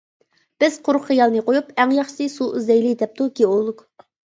-بىز قۇرۇق خىيالنى قۇيۇپ، ئەڭ ياخشىسى سۇ ئىزدەيلى-دەپتۇ گېئولوگ.